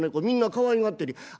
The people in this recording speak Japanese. みんなかわいがってるよ」。